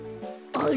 あれ！